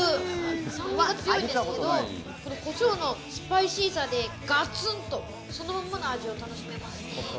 酸味が強いんですけど、コショウのスパイシーさでガツンとそのままの味を楽しめますね。